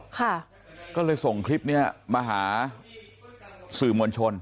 ค่ะก็เลยส่งคลิปเนี้ยมาหาสื่อมวลชน